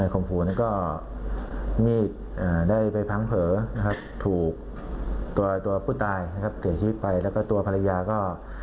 ข่มขู่แล้วก็มีดได้ไปพังเผลอนะครับถูกตัวตัวผู้ตายนะครับเสียชีวิตไปแล้วก็ตัวภรรยาก็